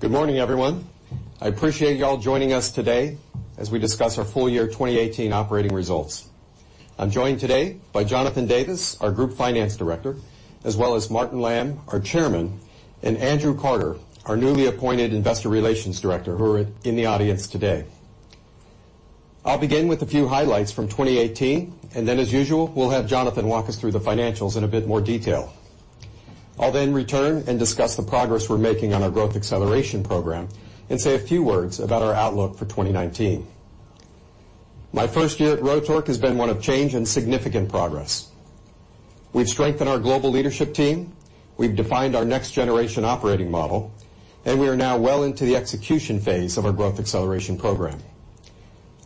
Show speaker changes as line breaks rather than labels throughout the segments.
Good morning, everyone. I appreciate you all joining us today as we discuss our full year 2018 operating results. I'm joined today by Jonathan Davis, our Group Finance Director, as well as Martin Lamb, our Chairman, and Andrew Carter, our newly appointed Investor Relations Director, who are in the audience today. I'll begin with a few highlights from 2018, and then, as usual, we'll have Jonathan walk us through the financials in a bit more detail. I'll then return and discuss the progress we're making on our Growth Acceleration Programme, and say a few words about our outlook for 2019. My first year at Rotork has been one of change and significant progress. We've strengthened our global leadership team, we've defined our next generation operating model, and we are now well into the execution phase of our Growth Acceleration Programme.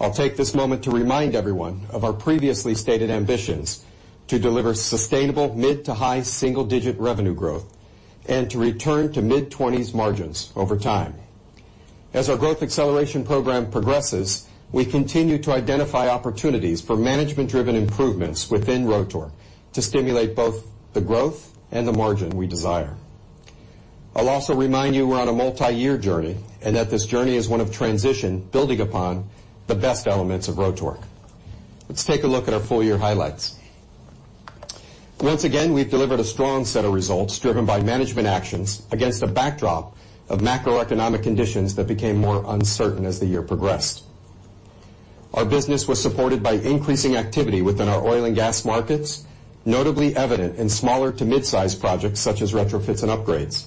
I'll take this moment to remind everyone of our previously stated ambitions to deliver sustainable mid to high single digit revenue growth, and to return to mid-20s margins over time. As our Growth Acceleration Programme progresses, we continue to identify opportunities for management driven improvements within Rotork to stimulate both the growth and the margin we desire. I'll also remind you we're on a multi-year journey, and that this journey is one of transition, building upon the best elements of Rotork. Let's take a look at our full year highlights. Once again, we've delivered a strong set of results driven by management actions against a backdrop of macroeconomic conditions that became more uncertain as the year progressed. Our business was supported by increasing activity within our oil and gas markets, notably evident in smaller to mid-size projects such as retrofits and upgrades.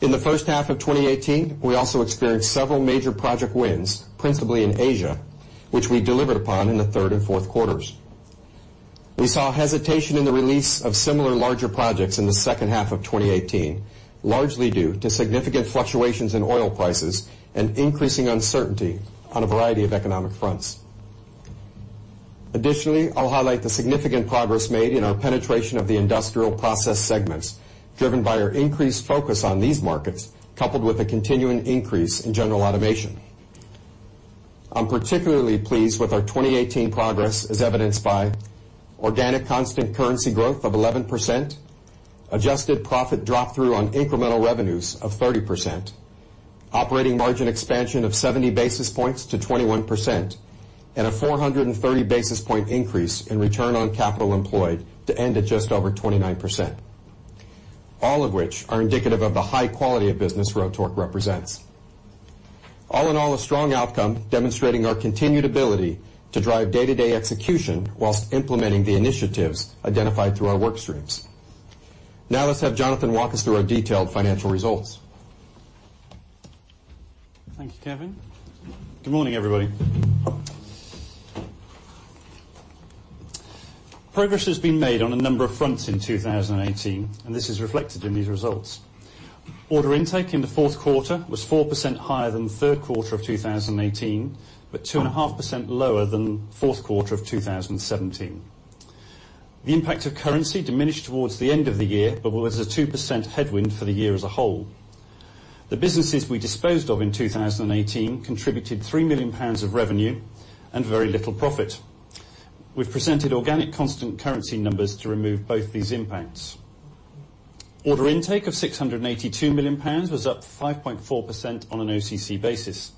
In the first half of 2018, we also experienced several major project wins, principally in Asia, which we delivered upon in the third and fourth quarters. We saw hesitation in the release of similar larger projects in the second half of 2018, largely due to significant fluctuations in oil prices and increasing uncertainty on a variety of economic fronts. Additionally, I'll highlight the significant progress made in our penetration of the industrial process segments, driven by our increased focus on these markets, coupled with a continuing increase in general automation. I'm particularly pleased with our 2018 progress as evidenced by organic constant currency growth of 11%, adjusted profit drop-through on incremental revenues of 30%, operating margin expansion of 70 basis points to 21%, and a 430 basis point increase in return on capital employed to end at just over 29%, all of which are indicative of the high quality of business Rotork represents. All in all, a strong outcome demonstrating our continued ability to drive day-to-day execution whilst implementing the initiatives identified through our work streams. Now, let's have Jonathan walk us through our detailed financial results.
Thank you, Kevin. Good morning, everybody. Progress has been made on a number of fronts in 2018, and this is reflected in these results. Order intake in the fourth quarter was 4% higher than the third quarter of 2018, but 2.5% lower than fourth quarter of 2017. The impact of currency diminished towards the end of the year, but was a 2% headwind for the year as a whole. The businesses we disposed of in 2018 contributed 3 million pounds of revenue and very little profit. We've presented organic constant currency numbers to remove both these impacts. Order intake of 682 million pounds was up 5.4% on an OCC basis.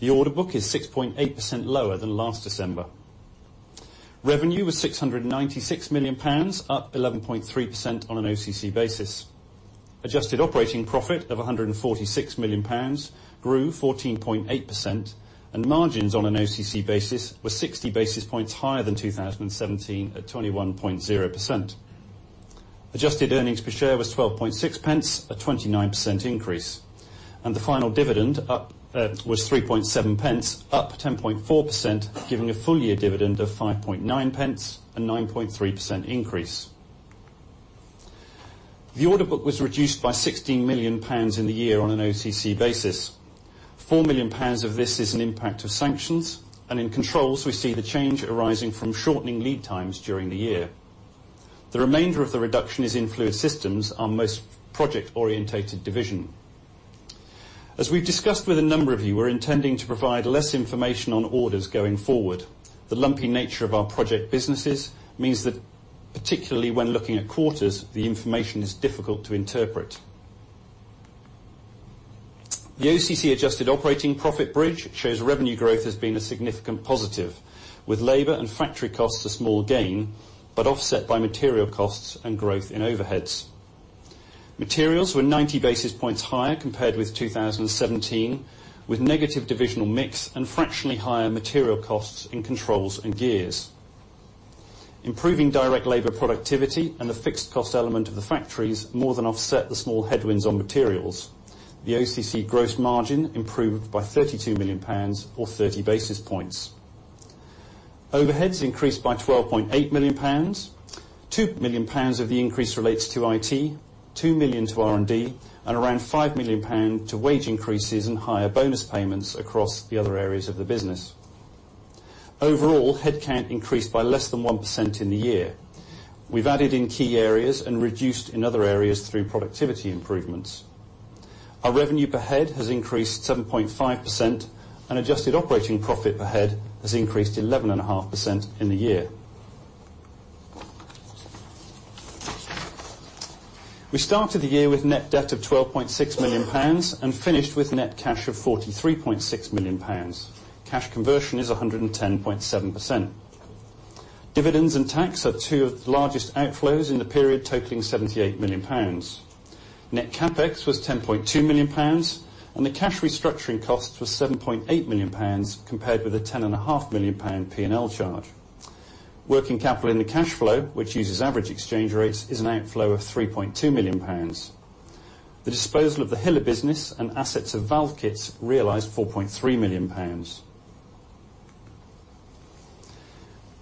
The order book is 6.8% lower than last December. Revenue was 696 million pounds, up 11.3% on an OCC basis. Adjusted operating profit of 146 million pounds grew 14.8%, and margins on an OCC basis were 60 basis points higher than 2017 at 21.0%. Adjusted earnings per share was 0.126, a 29% increase, and the final dividend was 0.037, up 10.4%, giving a full year dividend of 0.059, a 9.3% increase. The order book was reduced by 16 million pounds in the year on an OCC basis. 4 million pounds of this is an impact of sanctions, and in Controls, we see the change arising from shortening lead times during the year. The remainder of the reduction is in Fluid Systems, our most project-orientated division. As we've discussed with a number of you, we're intending to provide less information on orders going forward. The lumpy nature of our project businesses means that particularly when looking at quarters, the information is difficult to interpret. The OCC adjusted operating profit bridge shows revenue growth has been a significant positive with labor and factory costs a small gain, but offset by material costs and growth in overheads. Materials were 90 basis points higher compared with 2017, with negative divisional mix and fractionally higher material costs in Controls and Gears. Improving direct labor productivity and the fixed cost element of the factories more than offset the small headwinds on materials. The OCC gross margin improved by 32 million pounds or 30 basis points. Overheads increased by 12.8 million pounds. 2 million pounds of the increase relates to IT, 2 million to R&D, and around 5 million pounds to wage increases and higher bonus payments across the other areas of the business. Overall, headcount increased by less than 1% in the year. We've added in key areas and reduced in other areas through productivity improvements. Our revenue per head has increased 7.5%, and adjusted operating profit per head has increased 11.5% in the year. We started the year with net debt of 12.6 million pounds and finished with net cash of 43.6 million pounds. Cash conversion is 110.7%. Dividends and tax are two of the largest outflows in the period, totaling GBP 78 million. Net CapEx was GBP 10.2 million, and the cash restructuring costs were GBP 7.8 million compared with a GBP 10.5 million P&L charge. Working capital in the cash flow, which uses average exchange rates, is an outflow of 3.2 million pounds. The disposal of the Hiller business and assets of Valvekits realized 4.3 million pounds.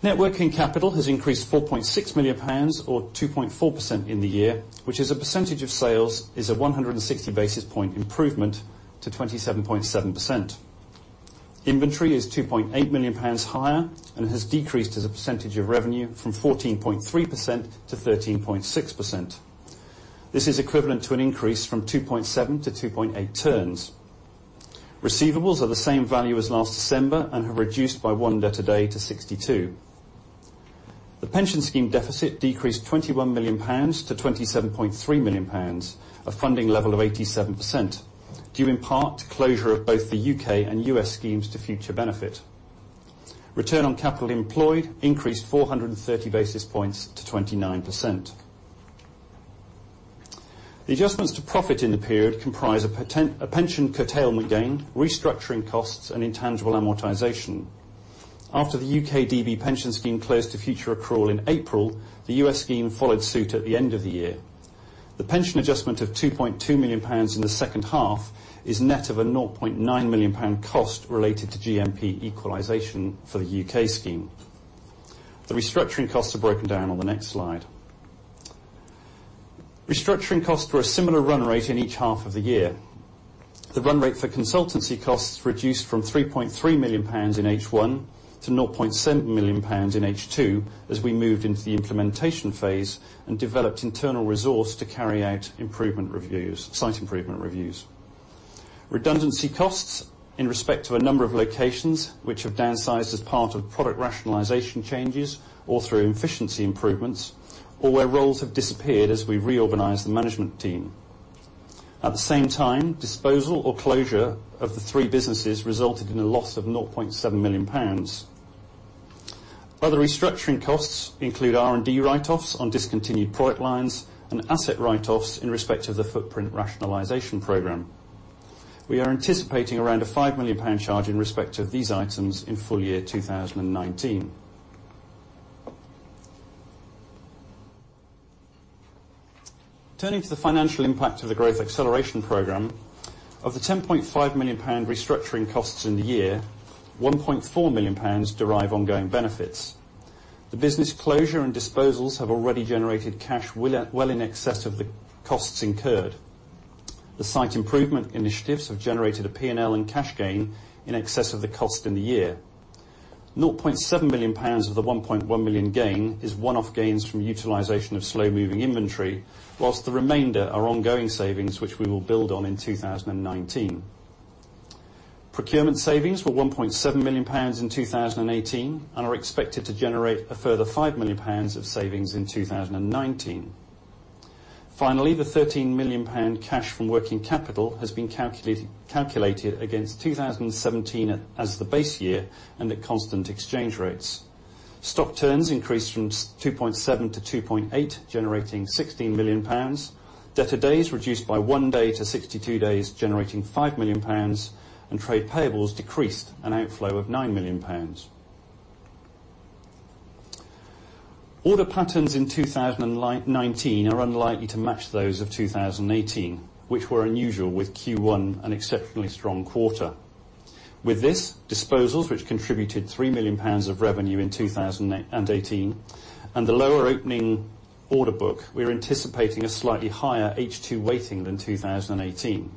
Net working capital has increased 4.6 million pounds or 2.4% in the year, which as a percentage of sales, is a 160 basis point improvement to 27.7%. Inventory is 2.8 million pounds higher and has decreased as a percentage of revenue from 14.3% to 13.6%. This is equivalent to an increase from 2.7 to 2.8 turns. Receivables are the same value as last December and have reduced by one debtor day to 62. The pension scheme deficit decreased 21 million pounds to 27.3 million pounds, a funding level of 87%, due in part to closure of both the U.K. and U.S. schemes to future benefit. Return on capital employed increased 430 basis points to 29%. The adjustments to profit in the period comprise a pension curtailment gain, restructuring costs, and intangible amortization. After the U.K. DB pension scheme closed to future accrual in April, the U.S. scheme followed suit at the end of the year. The pension adjustment of 2.2 million pounds in the second half is net of a 0.9 million pound cost related to GMP equalization for the U.K. scheme. The restructuring costs are broken down on the next slide. Restructuring costs were a similar run rate in each half of the year. The run rate for consultancy costs reduced from 3.3 million pounds in H1 to 0.7 million pounds in H2 as we moved into the implementation phase and developed internal resource to carry out site improvement reviews. Redundancy costs in respect of a number of locations which have downsized as part of product rationalization changes, or through efficiency improvements, or where roles have disappeared as we reorganize the management team. At the same time, disposal or closure of the three businesses resulted in a loss of 0.7 million pounds. Other restructuring costs include R&D write-offs on discontinued product lines and asset write-offs in respect of the footprint rationalization program. We are anticipating around a 5 million pound charge in respect of these items in full year 2019. Turning to the financial impact of the Growth Acceleration Programme, of the 10.5 million pound restructuring costs in the year, 1.4 million pounds derive ongoing benefits. The business closure and disposals have already generated cash well in excess of the costs incurred. The site improvement initiatives have generated a P&L and cash gain in excess of the cost in the year. 0.7 million pounds of the 1.1 million gain is one-off gains from utilization of slow-moving inventory, whilst the remainder are ongoing savings, which we will build on in 2019. Procurement savings were 1.7 million pounds in 2018, and are expected to generate a further 5 million pounds of savings in 2019. Finally, the 13 million pound cash from working capital has been calculated against 2017 as the base year and at constant exchange rates. Stock turns increased from 2.7 to 2.8, generating 16 million pounds. Debtor days reduced by one day to 62 days, generating 5 million pounds. Trade payables decreased, an outflow of 9 million pounds. Order patterns in 2019 are unlikely to match those of 2018, which were unusual with Q1 an exceptionally strong quarter. With this, disposals, which contributed 3 million pounds of revenue in 2018 and the lower opening order book, we're anticipating a slightly higher H2 weighting than 2018.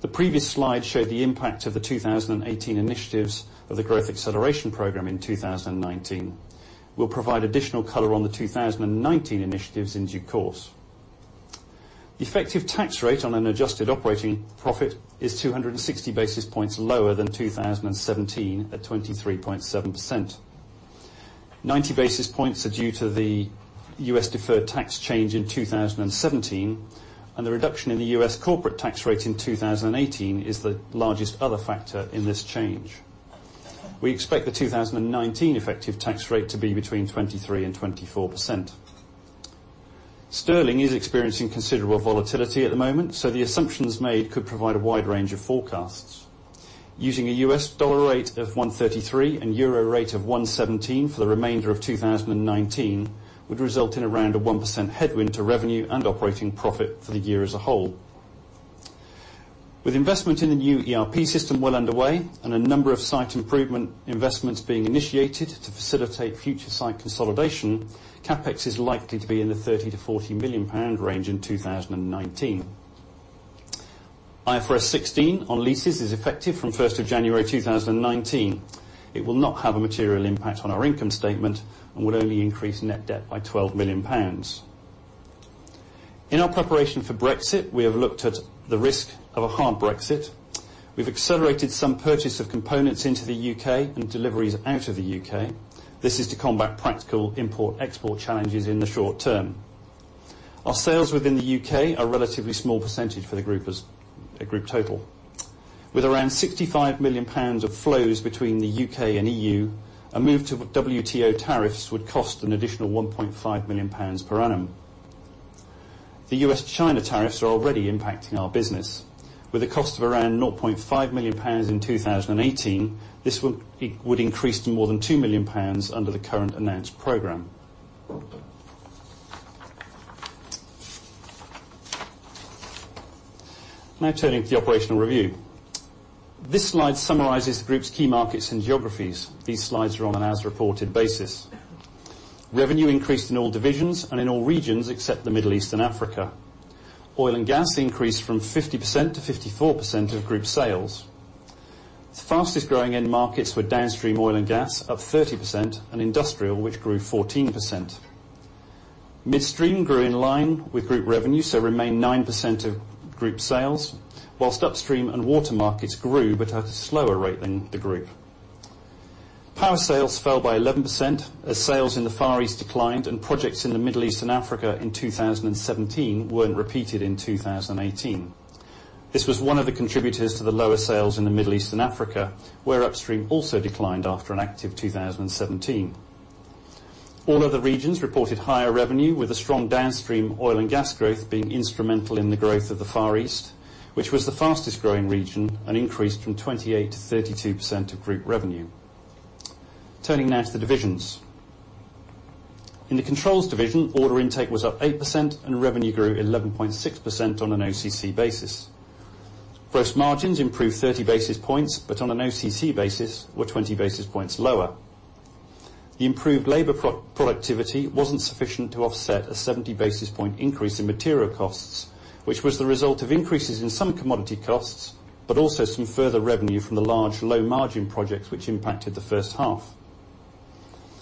The previous slide showed the impact of the 2018 initiatives of the Growth Acceleration Programme in 2019. We'll provide additional color on the 2019 initiatives in due course. The effective tax rate on an adjusted operating profit is 260 basis points lower than 2017 at 23.7%. 90 basis points are due to the U.S. deferred tax change in 2017, and the reduction in the U.S. corporate tax rate in 2018 is the largest other factor in this change. We expect the 2019 effective tax rate to be between 23% and 24%. Sterling is experiencing considerable volatility at the moment, the assumptions made could provide a wide range of forecasts. Using a US dollar rate of 133 and euro rate of 117 for the remainder of 2019, would result in around a 1% headwind to revenue and operating profit for the year as a whole. With investment in the new ERP system well underway and a number of site improvement investments being initiated to facilitate future site consolidation, CapEx is likely to be in the 30 million-40 million pound range in 2019. IFRS 16 on leases is effective from 1st of January 2019. It will not have a material impact on our income statement and will only increase net debt by 12 million pounds. In our preparation for Brexit, we have looked at the risk of a hard Brexit. We've accelerated some purchase of components into the U.K. and deliveries out of the U.K. This is to combat practical import-export challenges in the short term. Our sales within the U.K. are a relatively small percentage for the group total. With around 65 million pounds of flows between the U.K. and EU, a move to WTO tariffs would cost an additional 1.5 million pounds per annum. The US-China tariffs are already impacting our business with a cost of around 0.5 million pounds in 2018, this would increase to more than 2 million pounds under the current announced program. Turning to the operational review. This slide summarizes the group's key markets and geographies. These slides are on an as-reported basis. Revenue increased in all divisions and in all regions, except the Middle East and Africa. Oil and gas increased from 50% to 54% of group sales. The fastest growing end markets were downstream oil and gas, up 30%, and industrial, which grew 14%. Midstream grew in line with group revenue, remained 9% of group sales, whilst upstream and water markets grew, but at a slower rate than the group. Power sales fell by 11% as sales in the Far East declined and projects in the Middle East and Africa in 2017 weren't repeated in 2018. This was one of the contributors to the lower sales in the Middle East and Africa, where upstream also declined after an active 2017. All other regions reported higher revenue with a strong downstream oil and gas growth being instrumental in the growth of the Far East, which was the fastest growing region and increased from 28% to 32% of group revenue. Turning to the divisions. In the Controls division, order intake was up 8% and revenue grew 11.6% on an OCC basis. Gross margins improved 30 basis points, on an OCC basis were 20 basis points lower. The improved labor productivity wasn't sufficient to offset a 70 basis point increase in material costs, which was the result of increases in some commodity costs, but also some further revenue from the large low margin projects which impacted the first half.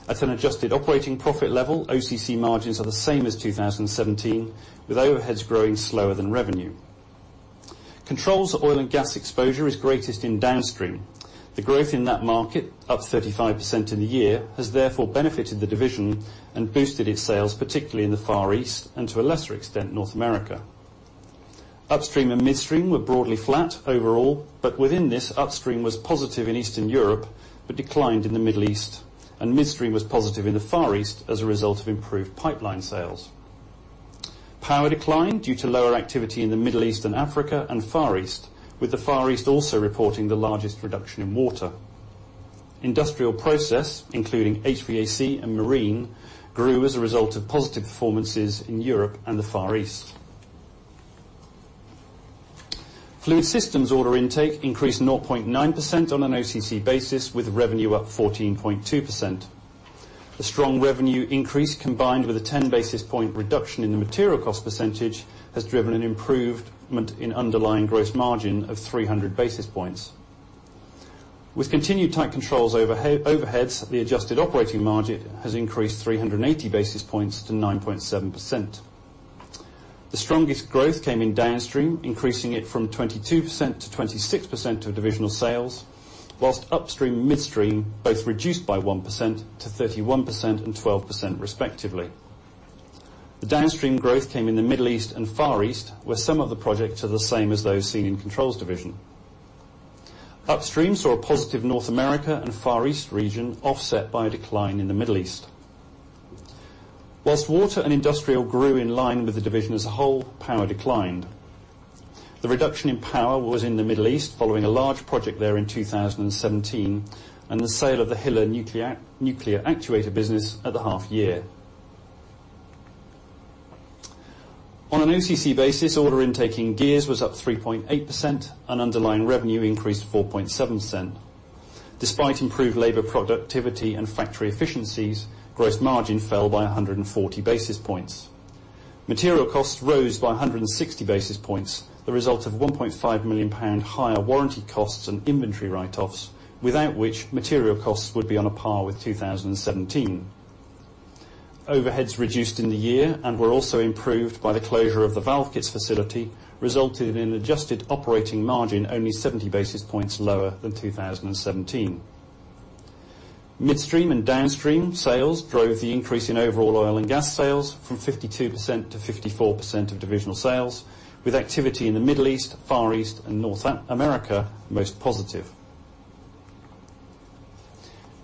At an adjusted operating profit level, OCC margins are the same as 2017, with overheads growing slower than revenue. Controls oil and gas exposure is greatest in downstream. The growth in that market, up 35% in the year, has therefore benefited the division and boosted its sales, particularly in the Far East and to a lesser extent, North America. Upstream and midstream were broadly flat overall. Within this, upstream was positive in Eastern Europe, but declined in the Middle East. Midstream was positive in the Far East as a result of improved pipeline sales. Power declined due to lower activity in the Middle East and Africa and Far East, with the Far East also reporting the largest reduction in water. Industrial process, including HVAC and marine, grew as a result of positive performances in Europe and the Far East. Fluid Systems order intake increased 0.9% on an OCC basis, with revenue up 14.2%. The strong revenue increase, combined with a 10 basis point reduction in the material cost percentage, has driven an improvement in underlying gross margin of 300 basis points. With continued tight controls overheads, the adjusted operating margin has increased 380 basis points to 9.7%. The strongest growth came in downstream, increasing it from 22% to 26% of divisional sales, whilst upstream midstream both reduced by 1% to 31% and 12%, respectively. The downstream growth came in the Middle East and Far East, where some of the projects are the same as those seen in Controls division. Upstream saw a positive North America and Far East region offset by a decline in the Middle East. Whilst water and industrial grew in line with the division as a whole, power declined. The reduction in power was in the Middle East following a large project there in 2017, and the sale of the Hiller Nuclear Actuator business at the half year. On an OCC basis, order intake in Gears was up 3.8% and underlying revenue increased 4.7%. Despite improved labor productivity and factory efficiencies, gross margin fell by 140 basis points. Material costs rose by 160 basis points, the result of 1.5 million pound higher warranty costs and inventory write-offs, without which material costs would be on a par with 2017. Overheads reduced in the year and were also improved by the closure of the Valvekits facility, resulted in an adjusted operating margin only 70 basis points lower than 2017. Midstream and downstream sales drove the increase in overall oil and gas sales from 52% to 54% of divisional sales, with activity in the Middle East, Far East, and North America most positive.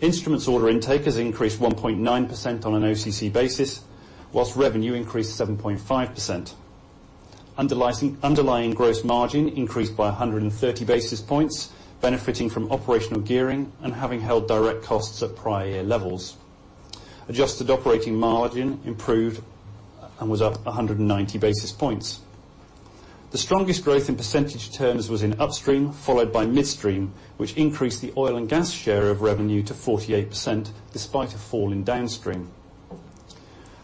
Instruments order intake has increased 1.9% on an OCC basis, whilst revenue increased 7.5%. Underlying gross margin increased by 130 basis points, benefiting from operational gearing and having held direct costs at prior year levels. Adjusted operating margin improved and was up 190 basis points. The strongest growth in percentage terms was in upstream, followed by midstream, which increased the oil and gas share of revenue to 48%, despite a fall in downstream.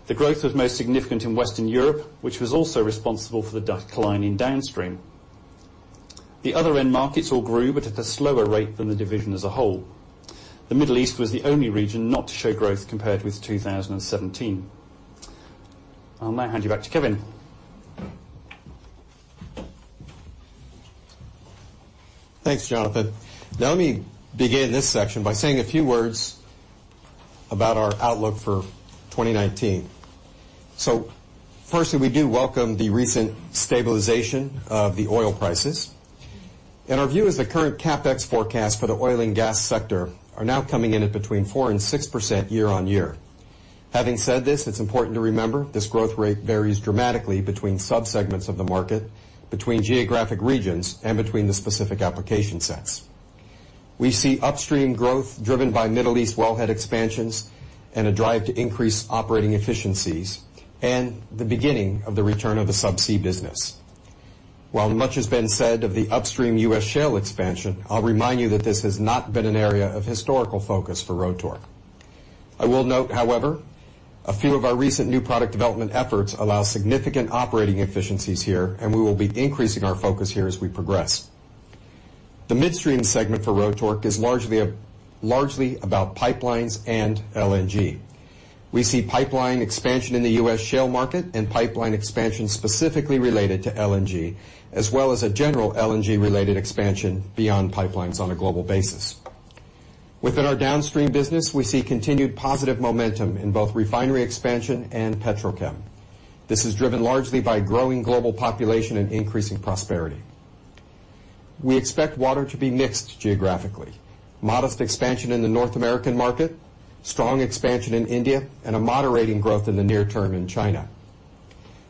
The growth was most significant in Western Europe, which was also responsible for the decline in downstream. The other end markets all grew, at a slower rate than the division as a whole. The Middle East was the only region not to show growth compared with 2017. I'll now hand you back to Kevin.
Thanks, Jonathan. Let me begin this section by saying a few words about our outlook for 2019. Firstly, we do welcome the recent stabilization of the oil prices. Our view is the current CapEx forecast for the oil and gas sector are now coming in at between 4% and 6% year-on-year. Having said this, it's important to remember this growth rate varies dramatically between sub-segments of the market, between geographic regions, and between the specific application sets. We see upstream growth driven by Middle East wellhead expansions and a drive to increase operating efficiencies, and the beginning of the return of the subsea business. While much has been said of the upstream U.S. shale expansion, I'll remind you that this has not been an area of historical focus for Rotork. I will note, however, a few of our recent new product development efforts allow significant operating efficiencies here, and we will be increasing our focus here as we progress. The midstream segment for Rotork is largely about pipelines and LNG. We see pipeline expansion in the U.S. shale market and pipeline expansion specifically related to LNG, as well as a general LNG-related expansion beyond pipelines on a global basis. Within our downstream business, we see continued positive momentum in both refinery expansion and petrochem. This is driven largely by growing global population and increasing prosperity. We expect water to be mixed geographically, modest expansion in the North American market, strong expansion in India, and a moderating growth in the near term in China.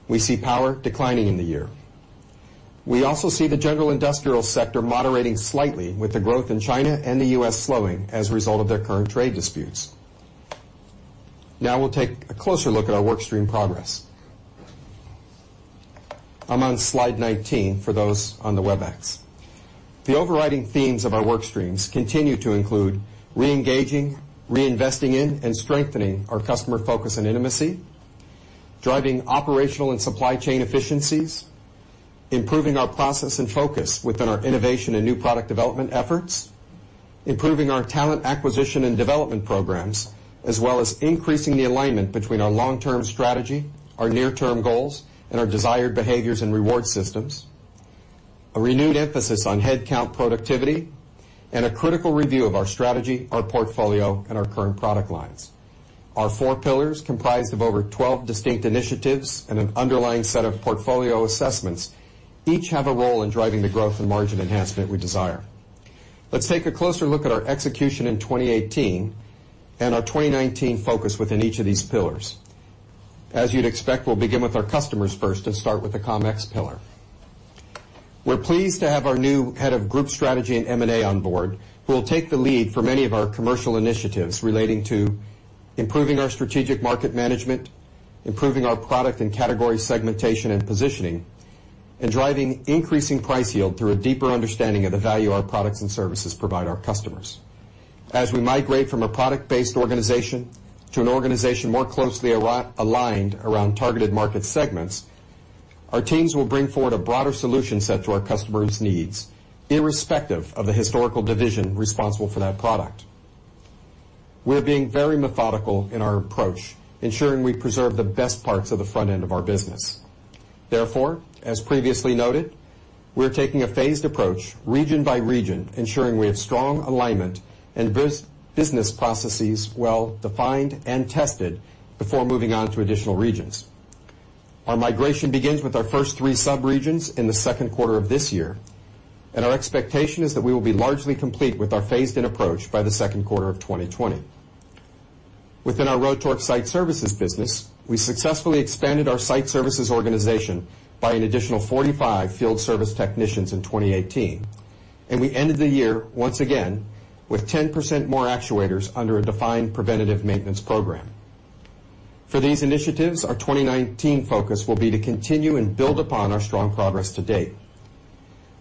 We see power declining in the year. We also see the general industrial sector moderating slightly with the growth in China and the U.S. slowing as a result of their current trade disputes. We'll take a closer look at our workstream progress. I'm on slide 19 for those on the Webex. The overriding themes of our workstreams continue to include reengaging, reinvesting in, and strengthening our customer focus and intimacy, driving operational and supply chain efficiencies, improving our process and focus within our innovation and new product development efforts, improving our talent acquisition and development programs, as well as increasing the alignment between our long-term strategy, our near-term goals, and our desired behaviors and reward systems, a renewed emphasis on headcount productivity, and a critical review of our strategy, our portfolio, and our current product lines. Our four pillars comprised of over 12 distinct initiatives and an underlying set of portfolio assessments each have a role in driving the growth and margin enhancement we desire. Let's take a closer look at our execution in 2018 and our 2019 focus within each of these pillars. As you'd expect, we'll begin with our customers first and start with the ComEx pillar. We're pleased to have our new head of group strategy and M&A on board, who will take the lead for many of our commercial initiatives relating to improving our strategic market management, improving our product and category segmentation and positioning, and driving increasing price yield through a deeper understanding of the value our products and services provide our customers. As we migrate from a product-based organization to an organization more closely aligned around targeted market segments, our teams will bring forward a broader solution set to our customers' needs, irrespective of the historical division responsible for that product. We're being very methodical in our approach, ensuring we preserve the best parts of the front end of our business. As previously noted, we're taking a phased approach region by region, ensuring we have strong alignment and business processes well defined and tested before moving on to additional regions. Our migration begins with our first three sub-regions in the second quarter of this year, and our expectation is that we will be largely complete with our phased-in approach by the second quarter of 2020. Within our Rotork Site Services business, we successfully expanded our site services organization by an additional 45 field service technicians in 2018, and we ended the year, once again, with 10% more actuators under a defined preventative maintenance program. For these initiatives, our 2019 focus will be to continue and build upon our strong progress to date.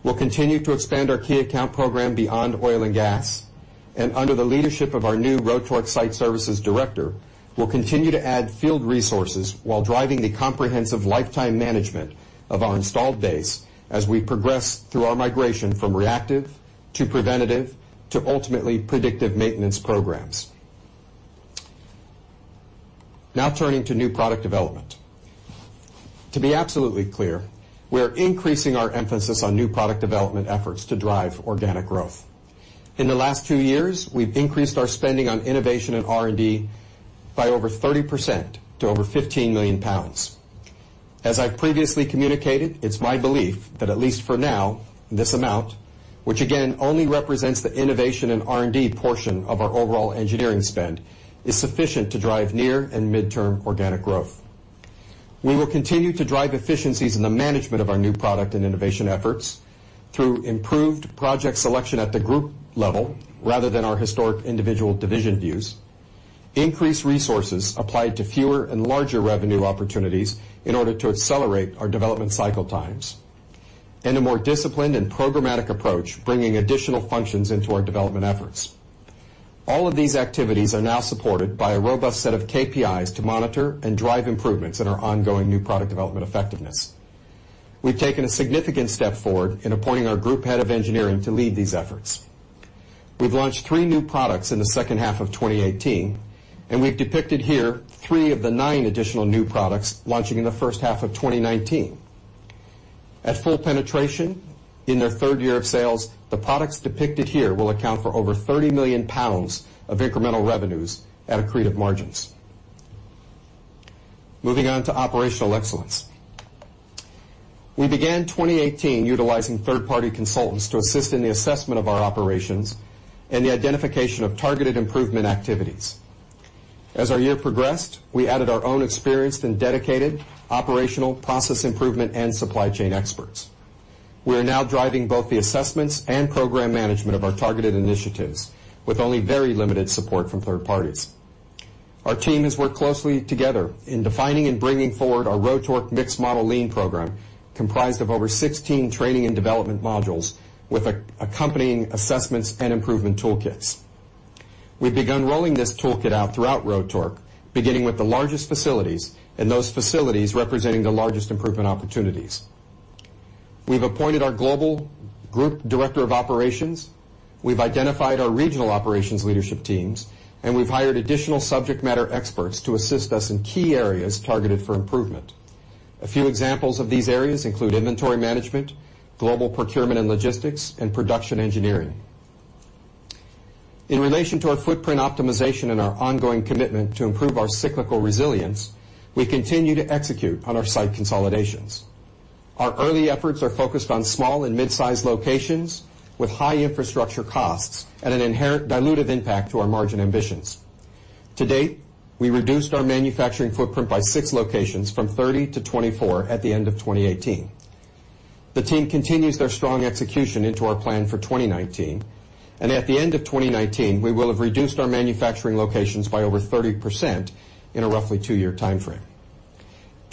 We'll continue to expand our key account program beyond oil and gas, and under the leadership of our new Rotork Site Services director, we'll continue to add field resources while driving the comprehensive lifetime management of our installed base as we progress through our migration from reactive to preventative to ultimately predictive maintenance programs. Turning to new product development. To be absolutely clear, we're increasing our emphasis on new product development efforts to drive organic growth. In the last two years, we've increased our spending on innovation and R&D by over 30% to over 15 million pounds. As I previously communicated, it's my belief that at least for now, this amount, which again only represents the innovation and R&D portion of our overall engineering spend, is sufficient to drive near and mid-term organic growth. We will continue to drive efficiencies in the management of our new product and innovation efforts through improved project selection at the group level rather than our historic individual division views, increased resources applied to fewer and larger revenue opportunities in order to accelerate our development cycle times, and a more disciplined and programmatic approach, bringing additional functions into our development efforts. All of these activities are now supported by a robust set of KPIs to monitor and drive improvements in our ongoing new product development effectiveness. We've taken a significant step forward in appointing our group head of engineering to lead these efforts. We've launched three new products in the second half of 2018, and we've depicted here three of the nine additional new products launching in the first half of 2019. At full penetration, in their third year of sales, the products depicted here will account for over 30 million pounds of incremental revenues at accretive margins. Moving on to operational excellence. We began 2018 utilizing third-party consultants to assist in the assessment of our operations and the identification of targeted improvement activities. As our year progressed, we added our own experienced and dedicated operational process improvement and supply chain experts. We are now driving both the assessments and program management of our targeted initiatives with only very limited support from third parties. Our team has worked closely together in defining and bringing forward our Rotork Mixed-Model Lean program, comprised of over 16 training and development modules with accompanying assessments and improvement toolkits. We've begun rolling this toolkit out throughout Rotork, beginning with the largest facilities, and those facilities representing the largest improvement opportunities. We've appointed our global Group Director of Operations, we've identified our regional operations leadership teams, and we've hired additional subject matter experts to assist us in key areas targeted for improvement. A few examples of these areas include inventory management, global procurement and logistics, and production engineering. In relation to our footprint optimization and our ongoing commitment to improve our cyclical resilience, we continue to execute on our site consolidations. Our early efforts are focused on small and mid-size locations with high infrastructure costs and an inherent dilutive impact to our margin ambitions. To date, we reduced our manufacturing footprint by six locations from 30 to 24 at the end of 2018. The team continues their strong execution into our plan for 2019, and at the end of 2019, we will have reduced our manufacturing locations by over 30% in a roughly two-year timeframe.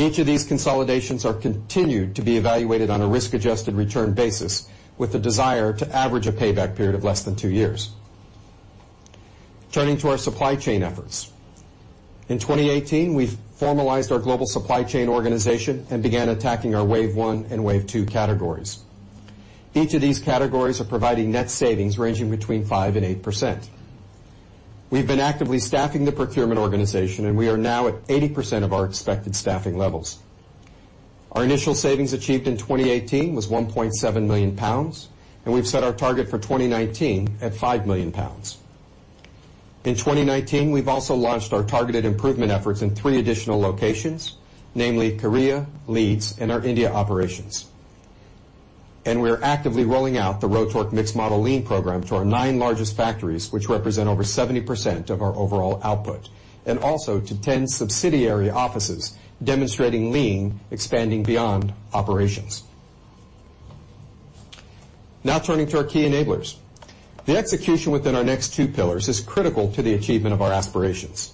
Each of these consolidations are continued to be evaluated on a risk-adjusted return basis with the desire to average a payback period of less than two years. Turning to our supply chain efforts. In 2018, we formalized our global supply chain organization and began attacking our wave 1 and wave 2 categories. Each of these categories are providing net savings ranging between 5% and 8%. We've been actively staffing the procurement organization, and we are now at 80% of our expected staffing levels. Our initial savings achieved in 2018 was 1.7 million pounds, and we've set our target for 2019 at 5 million pounds. In 2019, we've also launched our targeted improvement efforts in three additional locations, namely Korea, Leeds, and our India operations. We are actively rolling out the Rotork Mixed-Model Lean program to our nine largest factories, which represent over 70% of our overall output, and also to 10 subsidiary offices, demonstrating lean expanding beyond operations. Now turning to our key enablers. The execution within our next two pillars is critical to the achievement of our aspirations.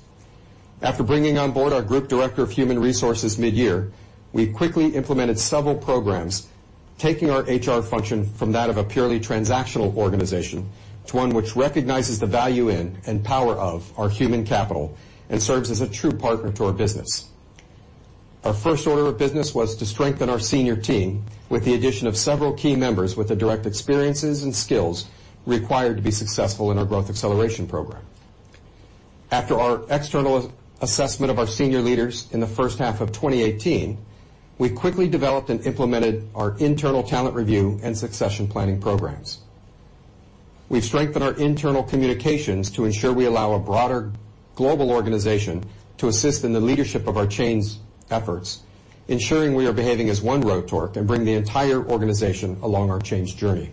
After bringing on board our Group Director of Human Resources mid-year, we quickly implemented several programs, taking our HR function from that of a purely transactional organization to one which recognizes the value in and power of our human capital and serves as a true partner to our business. Our first order of business was to strengthen our senior team with the addition of several key members with the direct experiences and skills required to be successful in our Growth Acceleration Programme. After our external assessment of our senior leaders in the first half of 2018, we quickly developed and implemented our internal talent review and succession planning programs. We've strengthened our internal communications to ensure we allow a broader global organization to assist in the leadership of our change efforts, ensuring we are behaving as One Rotork and bring the entire organization along our change journey.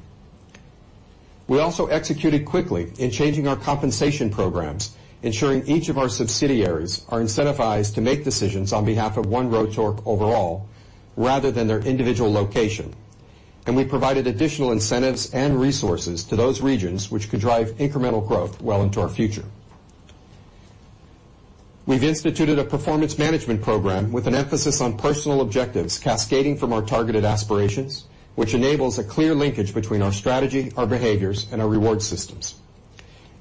We also executed quickly in changing our compensation programs, ensuring each of our subsidiaries are incentivized to make decisions on behalf of One Rotork overall, rather than their individual location. We provided additional incentives and resources to those regions which could drive incremental growth well into our future. We've instituted a performance management program with an emphasis on personal objectives cascading from our targeted aspirations, which enables a clear linkage between our strategy, our behaviors, and our reward systems.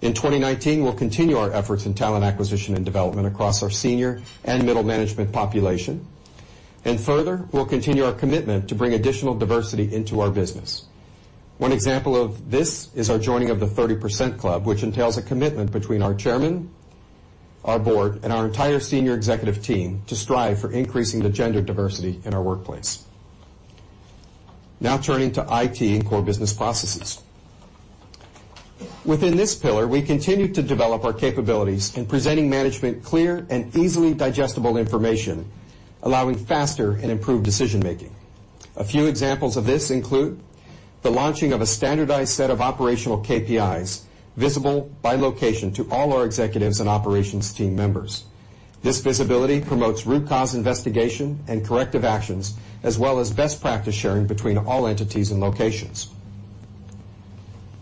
In 2019, we'll continue our efforts in talent acquisition and development across our senior and middle management population. Further, we'll continue our commitment to bring additional diversity into our business. One example of this is our joining of the 30% Club, which entails a commitment between our chairman, our board, and our entire senior executive team to strive for increasing the gender diversity in our workplace. Now turning to IT and core business processes. Within this pillar, we continue to develop our capabilities in presenting management clear and easily digestible information, allowing faster and improved decision-making. A few examples of this include the launching of a standardized set of operational KPIs visible by location to all our executives and operations team members. This visibility promotes root cause investigation and corrective actions, as well as best practice sharing between all entities and locations.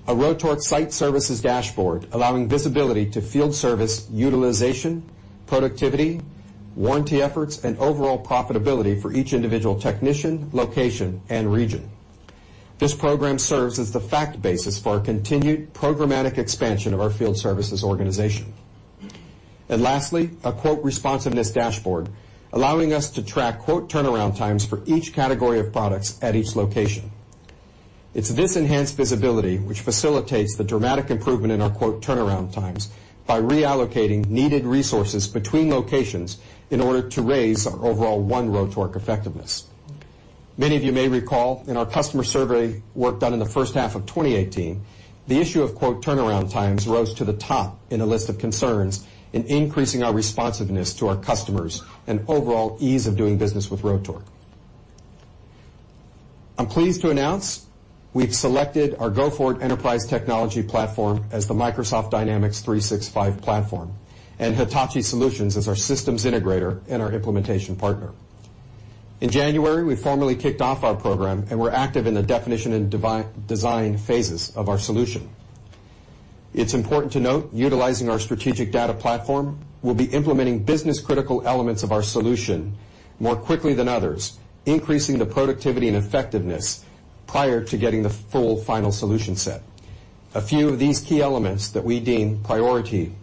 A Rotork Site Services dashboard allowing visibility to field service utilization, productivity, warranty efforts, and overall profitability for each individual technician, location, and region. This program serves as the fact basis for our continued programmatic expansion of our field services organization. Lastly, a quote responsiveness dashboard, allowing us to track quote turnaround times for each category of products at each location. It's this enhanced visibility which facilitates the dramatic improvement in our quote turnaround times by reallocating needed resources between locations in order to raise our overall One Rotork effectiveness. Many of you may recall in our customer survey work done in the first half of 2018, the issue of quote turnaround times rose to the top in a list of concerns in increasing our responsiveness to our customers and overall ease of doing business with Rotork. I'm pleased to announce we've selected our go-forward enterprise technology platform as the Microsoft Dynamics 365 platform, and Hitachi Solutions as our systems integrator and our implementation partner. In January, we formally kicked off our program, and we're active in the definition and design phases of our solution. It's important to note, utilizing our strategic data platform, we'll be implementing business critical elements of our solution more quickly than others, increasing the productivity and effectiveness prior to getting the full final solution set. A few of these key elements that we deem priority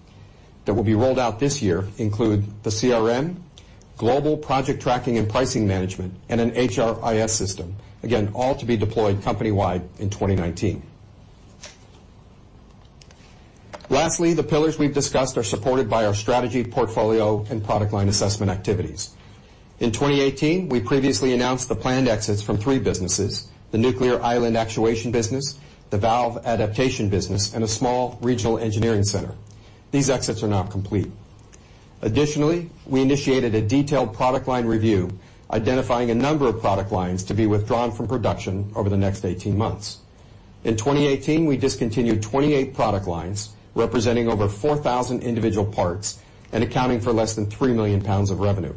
that will be rolled out this year include the CRM, global project tracking and pricing management, and an HRIS system. Again, all to be deployed company-wide in 2019. Lastly, the pillars we've discussed are supported by our strategy portfolio and product line assessment activities. In 2018, we previously announced the planned exits from three businesses, the Nuclear Island Actuation business, the Valve Adaptation business, and a small regional engineering center. These exits are now complete. Additionally, we initiated a detailed product line review identifying a number of product lines to be withdrawn from production over the next 18 months. In 2018, we discontinued 28 product lines, representing over 4,000 individual parts and accounting for less than 3 million pounds of revenue.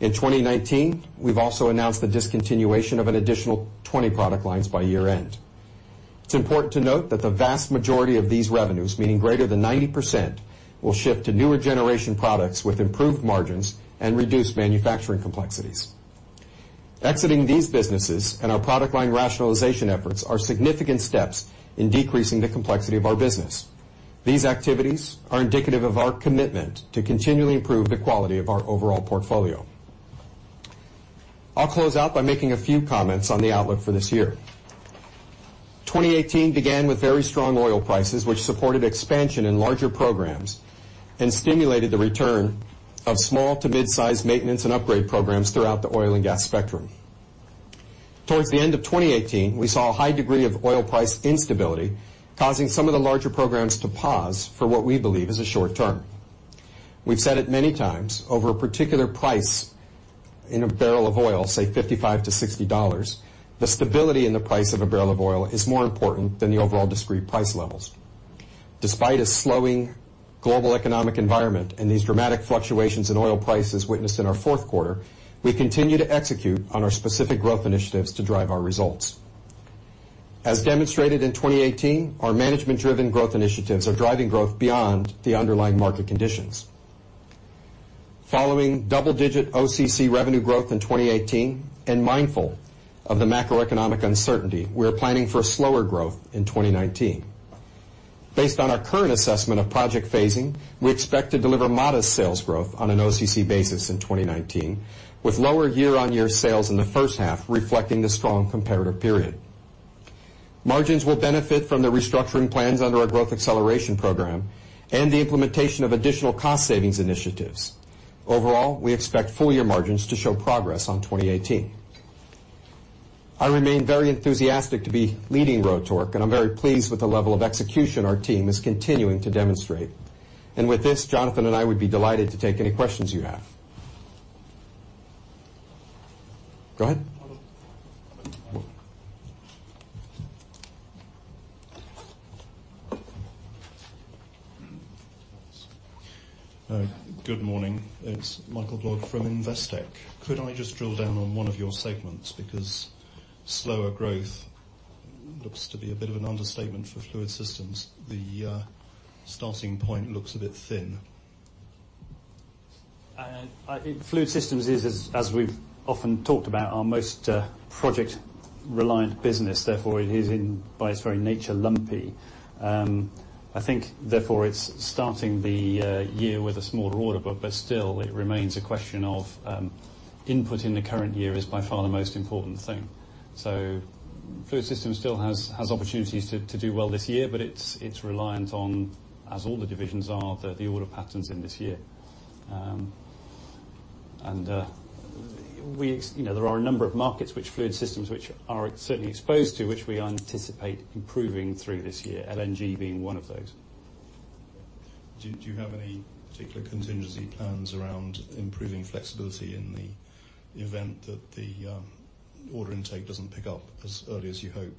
In 2019, we've also announced the discontinuation of an additional 20 product lines by year-end. It's important to note that the vast majority of these revenues, meaning greater than 90%, will ship to newer generation products with improved margins and reduced manufacturing complexities. Exiting these businesses and our product line rationalization efforts are significant steps in decreasing the complexity of our business. These activities are indicative of our commitment to continually improve the quality of our overall portfolio. I'll close out by making a few comments on the outlook for this year. 2018 began with very strong oil prices, which supported expansion in larger programs and stimulated the return of small to mid-size maintenance and upgrade programs throughout the oil and gas spectrum. Towards the end of 2018, we saw a high degree of oil price instability, causing some of the larger programs to pause for what we believe is a short-term. We've said it many times, over a particular price in a barrel of oil, say 55 to GBP 60, the stability in the price of a barrel of oil is more important than the overall discrete price levels. Despite a slowing global economic environment and these dramatic fluctuations in oil prices witnessed in our fourth quarter, we continue to execute on our specific growth initiatives to drive our results. As demonstrated in 2018, our management-driven growth initiatives are driving growth beyond the underlying market conditions. Following double-digit OCC revenue growth in 2018 and mindful of the macroeconomic uncertainty, we're planning for a slower growth in 2019. Based on our current assessment of project phasing, we expect to deliver modest sales growth on an OCC basis in 2019, with lower year-on-year sales in the first half reflecting the strong comparative period. Margins will benefit from the restructuring plans under our Growth Acceleration Programme and the implementation of additional cost savings initiatives. Overall, we expect full year margins to show progress on 2018. I remain very enthusiastic to be leading Rotork, and I'm very pleased with the level of execution our team is continuing to demonstrate. With this, Jonathan and I would be delighted to take any questions you have. Go ahead.
Good morning. It's Michael Blogg from Investec. Could I just drill down on one of your segments? Slower growth looks to be a bit of an understatement for Fluid Systems. The starting point looks a bit thin.
Fluid Systems is, as we've often talked about, our most project-reliant business. Therefore, it is by its very nature lumpy. I think therefore it's starting the year with a smaller order book, still it remains a question of input in the current year is by far the most important thing. Fluid Systems still has opportunities to do well this year, it's reliant on, as all the divisions are, the order patterns in this year. There are a number of markets which Fluid Systems which are certainly exposed to, which we anticipate improving through this year, LNG being one of those.
Do you have any particular contingency plans around improving flexibility in the event that the order intake doesn't pick up as early as you hope?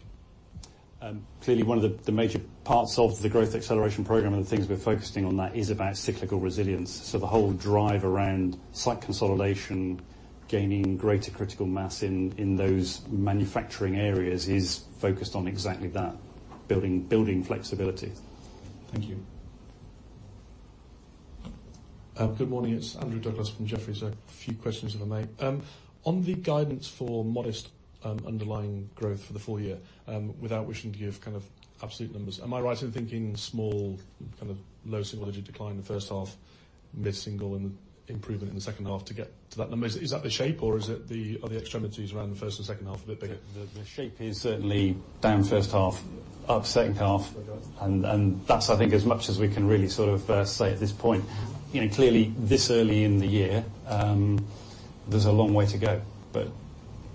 Clearly, one of the major parts of the Growth Acceleration Programme and the things we're focusing on that is about cyclical resilience. The whole drive around site consolidation, gaining greater critical mass in those manufacturing areas is focused on exactly that, building flexibility.
Thank you.
Good morning. It's Andrew Douglas from Jefferies. A few questions if I may. On the guidance for modest underlying growth for the full year, without wishing to give absolute numbers, am I right in thinking small, low single-digit decline in the first half, mid-single improvement in the second half to get to that number? Is that the shape, or are the extremities around the first and second half a bit bigger?
The shape is certainly down first half, up second half.
Okay.
That's, I think, as much as we can really say at this point. Clearly, this early in the year, there's a long way to go.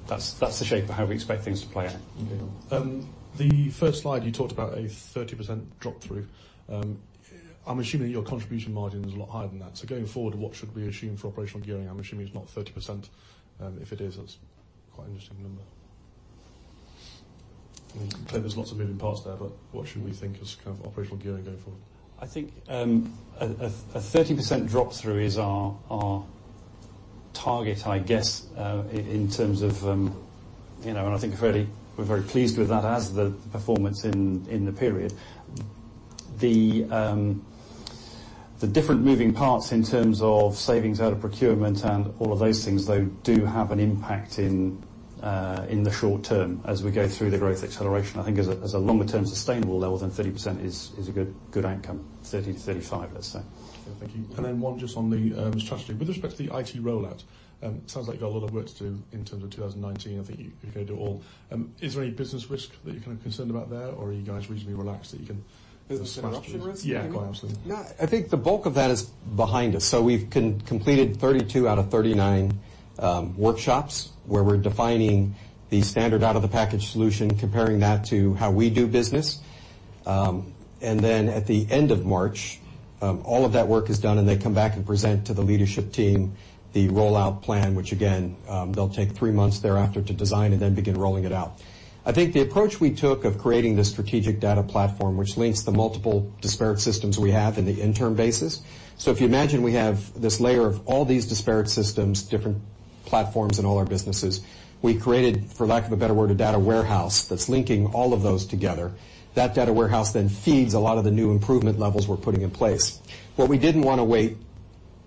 That's the shape of how we expect things to play out.
Okay. The first slide you talked about a 30% drop through. I'm assuming your contribution margin is a lot higher than that. Going forward, what should we assume for operational gearing? I'm assuming it's not 30%. If it is, that's quite an interesting number. I mean, clearly there's lots of moving parts there, what should we think as operational gearing going forward?
I think a 30% drop through is our target, I guess, and I think we're very pleased with that as the performance in the period. The different moving parts in terms of savings out of procurement and all of those things, though, do have an impact in the short term as we go through the Growth Acceleration. I think as a longer-term sustainable level, 30% is a good outcome. 30%-35%, let's say.
Thank you. One just on the strategy. With respect to the IT rollout, sounds like you've got a lot of work to do in terms of 2019. I think you could go do all. Is there any business risk that you're concerned about there, or are you guys reasonably relaxed that you can-
Business interruption risk?
Yeah, quite possibly.
I think the bulk of that is behind us. We've completed 32 out of 39 workshops where we're defining the standard out of the package solution, comparing that to how we do business. At the end of March, all of that work is done, and they come back and present to the leadership team the rollout plan. Which again, they'll take three months thereafter to design and then begin rolling it out. I think the approach we took of creating this strategic data platform, which links the multiple disparate systems we have in the interim basis. If you imagine we have this layer of all these disparate systems, different platforms in all our businesses. We created, for lack of a better word, a data warehouse that's linking all of those together. That data warehouse feeds a lot of the new improvement levels we're putting in place. What we didn't want to wait,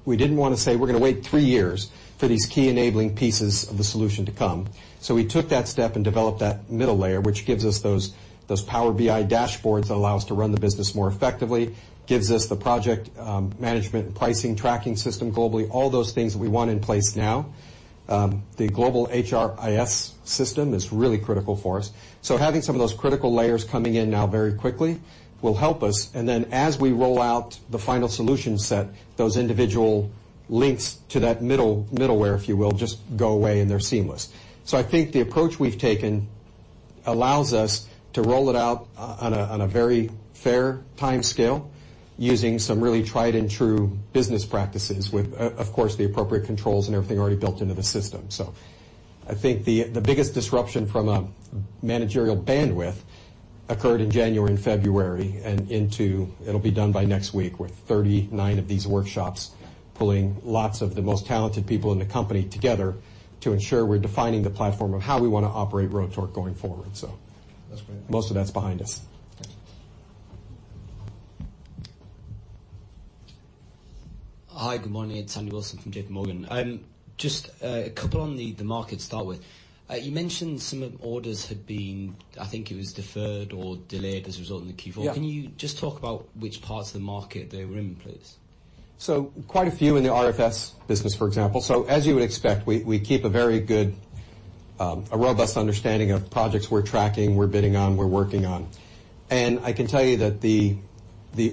we didn't want to say we're going to wait three years for these key enabling pieces of the solution to come. We took that step and developed that middle layer, which gives us those Power BI dashboards that allow us to run the business more effectively, gives us the project management and pricing tracking system globally, all those things that we want in place now. The global HRIS system is really critical for us. Having some of those critical layers coming in now very quickly will help us. As we roll out the final solution set, those individual links to that middleware, if you will, just go away, and they're seamless. I think the approach we've taken allows us to roll it out on a very fair timescale using some really tried and true business practices with, of course, the appropriate controls and everything already built into the system. I think the biggest disruption from a managerial bandwidth occurred in January and February. It'll be done by next week with 39 of these workshops pulling lots of the most talented people in the company together to ensure we're defining the platform of how we want to operate Rotork going forward. Most of that's behind us.
Okay.
Hi, good morning. It's Andy Wilson from J.P. Morgan. Just a couple on the market to start with. You mentioned some orders had been, I think it was deferred or delayed as a result in the Q4.
Yeah.
Can you just talk about which parts of the market they were in, please?
Quite a few in the RFS business, for example. As you would expect, we keep a very good, robust understanding of projects we're tracking, we're bidding on, we're working on. I can tell you that the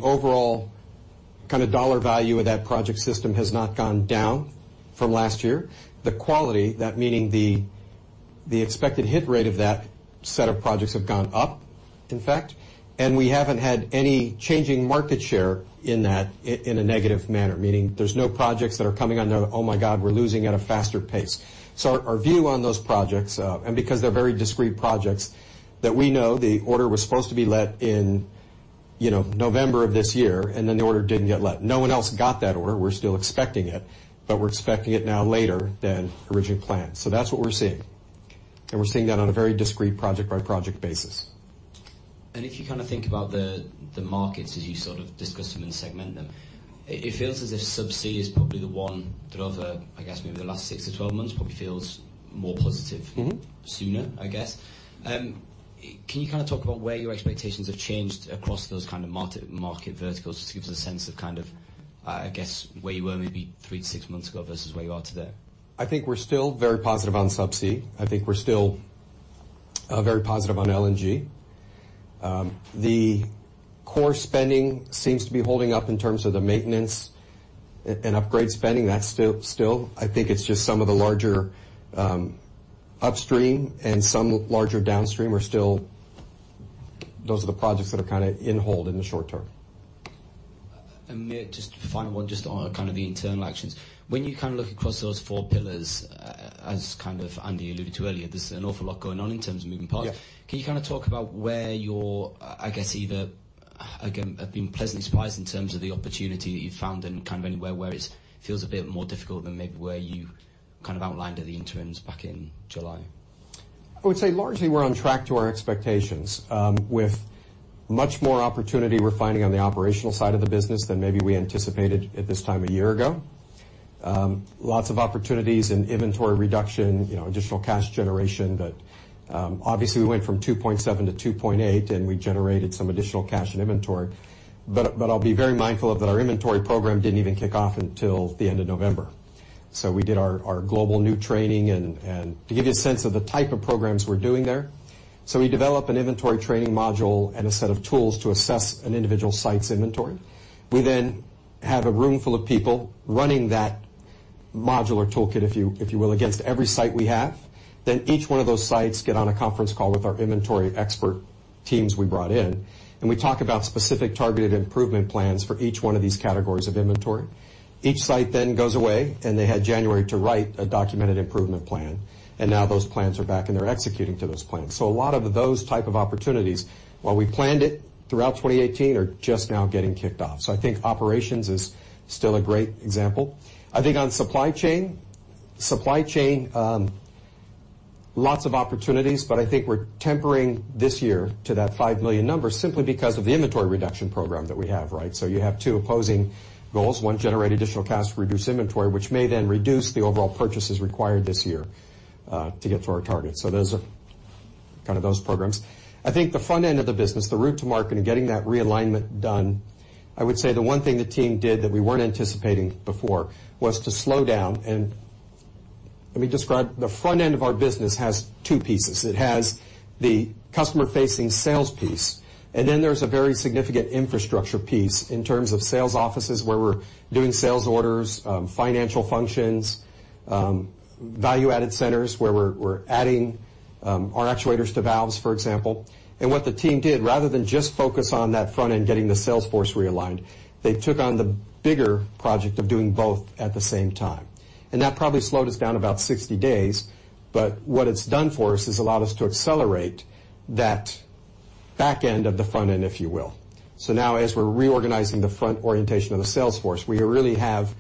overall dollar value of that project system has not gone down from last year. The quality, that meaning the expected hit rate of that set of projects have gone up, in fact. We haven't had any changing market share in that in a negative manner, meaning there's no projects that are coming on, "Oh my God, we're losing at a faster pace." Our view on those projects, and because they're very discrete projects that we know the order was supposed to be let in November of this year, and then the order didn't get let. No one else got that order. We're still expecting it, but we're expecting it now later than originally planned. That's what we're seeing. We're seeing that on a very discrete project by project basis.
If you think about the markets as you sort of discuss them and segment them, it feels as if subsea is probably the one that over, I guess, maybe the last 6-12 months, probably feels more positive sooner. I guess. Can you talk about where your expectations have changed across those kind of market verticals? Just give us a sense of, I guess, where you were maybe three to six months ago versus where you are today.
I think we're still very positive on subsea. I think we're still very positive on LNG. The core spending seems to be holding up in terms of the maintenance and upgrade spending. That's still, I think it's just some of the larger upstream and some larger downstream. Those are the projects that are in hold in the short term.
Just final one, just on kind of the internal actions. When you look across those four pillars, as Andy alluded to earlier, there's an awful lot going on in terms of moving parts.
Yeah.
Can you talk about where you're, I guess, either, again, have been pleasantly surprised in terms of the opportunity that you've found and anywhere where it feels a bit more difficult than maybe where you outlined at the interims back in July?
I would say largely we're on track to our expectations, with much more opportunity we're finding on the operational side of the business than maybe we anticipated at this time a year ago. Lots of opportunities in inventory reduction, additional cash generation. Obviously, we went from 2.7 to 2.8, and we generated some additional cash and inventory. I'll be very mindful of that our inventory program didn't even kick off until the end of November. We did our global new training. To give you a sense of the type of programs we're doing there, we develop an inventory training module and a set of tools to assess an individual site's inventory. We have a room full of people running that modular toolkit, if you will, against every site we have. Each one of those sites get on a conference call with our inventory expert teams we brought in, we talk about specific targeted improvement plans for each 1 of these categories of inventory. Each site then goes away, they had January to write a documented improvement plan, now those plans are back, and they're executing to those plans. A lot of those type of opportunities, while we planned it throughout 2018, are just now getting kicked off. I think operations is still a great example. I think on supply chain, lots of opportunities, I think we're tempering this year to that 5 million number simply because of the inventory reduction program that we have, right? You have two opposing goals. One, generate additional cash, reduce inventory, which may then reduce the overall purchases required this year to get to our target. Those are kind of those programs. I think the front end of the business, the route to market and getting that realignment done, I would say the one thing the team did that we weren't anticipating before was to slow down and let me describe. The front end of our business has two pieces. It has the customer-facing sales piece, there's a very significant infrastructure piece in terms of sales offices, where we're doing sales orders, financial functions, value-added centers, where we're adding our actuators to valves, for example. What the team did, rather than just focus on that front end, getting the sales force realigned, they took on the bigger project of doing both at the same time. That probably slowed us down about 60 days. What it's done for us is allowed us to accelerate that back end of the front end, if you will. Now, as we're reorganizing the front orientation of the sales force, we really have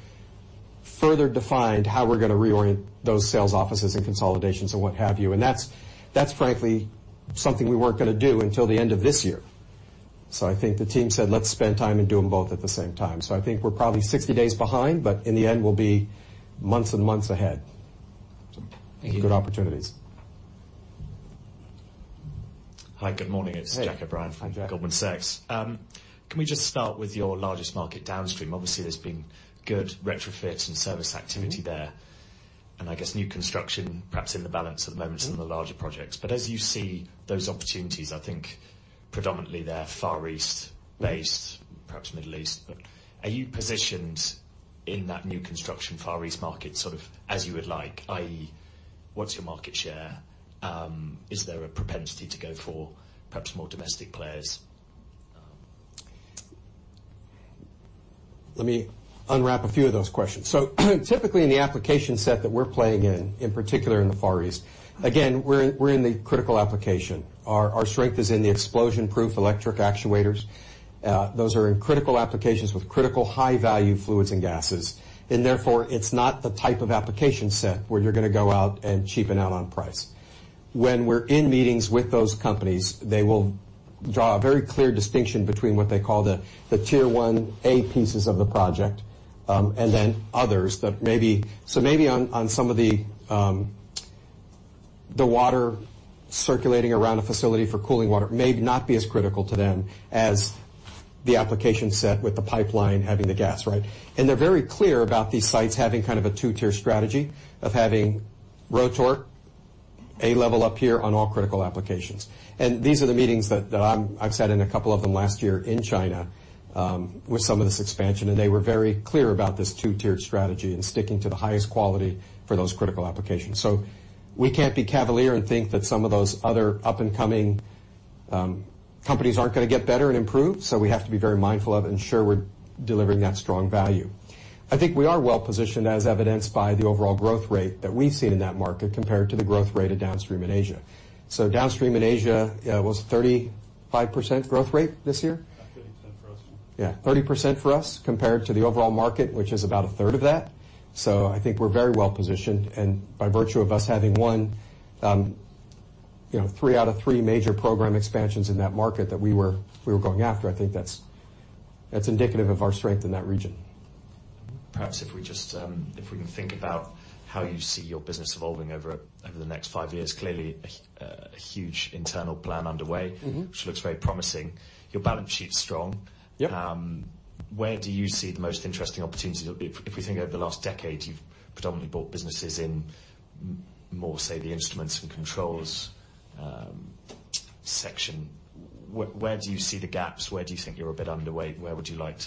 further defined how we're going to reorient those sales offices and consolidations and what have you. That's frankly something we weren't going to do until the end of this year. I think the team said, "Let's spend time and do them both at the same time." I think we're probably 60 days behind, in the end, we'll be months and months ahead.
Thank you.
Good opportunities.
Hi. Good morning. It's Jack O'Brien.
Hey. Hi, Jack.
from Goldman Sachs. Can we just start with your largest market downstream? Obviously, there's been good retrofit and service activity there, and I guess new construction perhaps in the balance at the moment. some of the larger projects. As you see those opportunities, I think predominantly they're Far East based, perhaps Middle East. Are you positioned in that new construction Far East market sort of as you would like, i.e., what's your market share? Is there a propensity to go for perhaps more domestic players?
Let me unwrap a few of those questions. Typically, in the application set that we're playing in particular in the Far East, again, we're in the critical application. Our strength is in the explosion-proof electric actuators. Those are in critical applications with critical high-value fluids and gases, and therefore, it's not the type of application set where you're going to go out and cheapen out on price. When we're in meetings with those companies, they will draw a very clear distinction between what they call the Tier 1a pieces of the project, and then others that maybe on some of the water circulating around a facility for cooling water, may not be as critical to them as the application set with the pipeline having the gas, right? They're very clear about these sites having kind of a 2-tier strategy of having Rotork, A level up here on all critical applications. These are the meetings that I've sat in a couple of them last year in China with some of this expansion, and they were very clear about this 2-tiered strategy and sticking to the highest quality for those critical applications. We can't be cavalier and think that some of those other up-and-coming companies aren't going to get better and improve. We have to be very mindful of and sure we're delivering that strong value. I think we are well positioned as evidenced by the overall growth rate that we've seen in that market compared to the growth rate of downstream in Asia. Downstream in Asia was 35% growth rate this year?
About 30% for us.
Yeah, 30% for us compared to the overall market, which is about a third of that. I think we're very well positioned, and by virtue of us having won three out of three major program expansions in that market that we were going after, I think that's indicative of our strength in that region.
Perhaps if we can think about how you see your business evolving over the next five years. Clearly, a huge internal plan underway. which looks very promising. Your balance sheet's strong.
Yep.
Where do you see the most interesting opportunities? If we think over the last decade, you've predominantly bought businesses in more, say, the Instruments and Controls section. Where do you see the gaps? Where do you think you're a bit underweight? Where would you like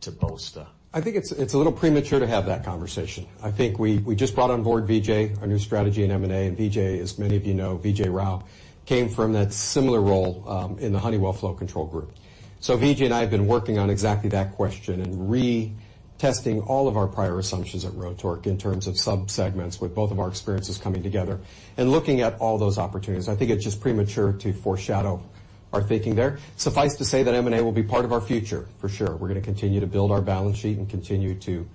to bolster?
I think it's a little premature to have that conversation. I think we just brought on board Vijay, our new strategy in M&A, and Vijay, as many of you know, Vijay Rao, came from that similar role in the Honeywell Flow Control group. Vijay and I have been working on exactly that question and retesting all of our prior assumptions at Rotork in terms of subsegments with both of our experiences coming together and looking at all those opportunities. I think it's just premature to foreshadow our thinking there. Suffice to say that M&A will be part of our future for sure. We're going to continue to build our balance sheet and continue to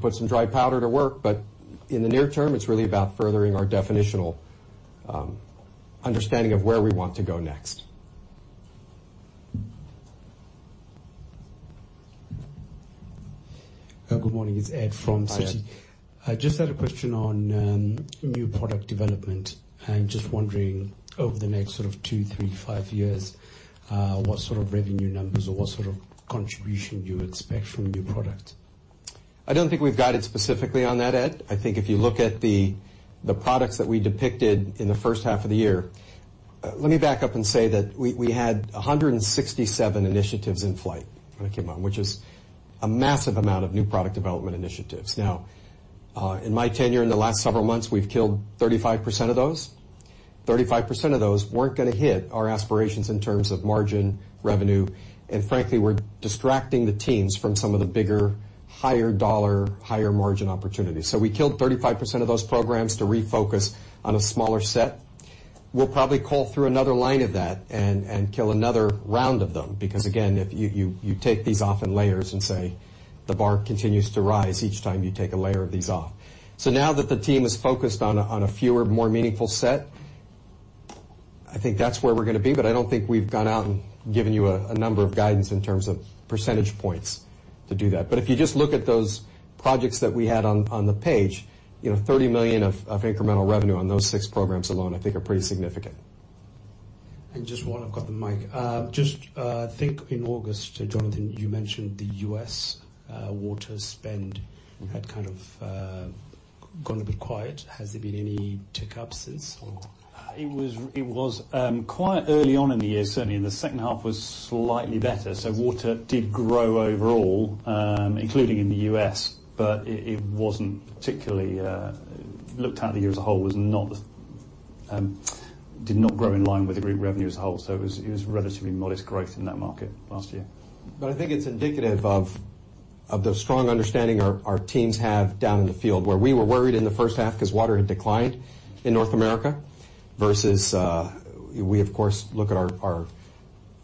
put some dry powder to work. In the near term, it's really about furthering our definitional understanding of where we want to go next.
Good morning. It's Ed from Citi.
Hi, Ed.
I just had a question on new product development, just wondering, over the next two, three, five years, what sort of revenue numbers or what sort of contribution you expect from new product?
I don't think we've guided specifically on that, Ed. I think if you look at the products that we depicted in the first half of the year. Let me back up and say that we had 167 initiatives in flight when I came on, which is a massive amount of new product development initiatives. Now, in my tenure in the last several months, we've killed 35% of those. 35% of those weren't going to hit our aspirations in terms of margin, revenue, and frankly, were distracting the teams from some of the bigger, higher dollar, higher margin opportunities. We killed 35% of those programs to refocus on a smaller set. We'll probably cull through another line of that and kill another round of them, because again, if you take these off in layers and say the bar continues to rise each time you take a layer of these off. Now that the team is focused on a fewer, more meaningful set, I think that's where we're going to be. I don't think we've gone out and given you a number of guidance in terms of percentage points to do that. If you just look at those projects that we had on the page, 30 million of incremental revenue on those six programs alone I think are pretty significant.
Just while I've got the mic. Just think in August, Jonathan, you mentioned the U.S. water spend had kind of gone a bit quiet. Has there been any tick-up since or?
It was quiet early on in the year. Certainly, in the second half was slightly better. Water did grow overall, including in the U.S., but Looked at the year as a whole, did not grow in line with the group revenue as a whole. It was relatively modest growth in that market last year.
I think it's indicative of the strong understanding our teams have down in the field, where we were worried in the first half because water had declined in North America versus, we of course, look at our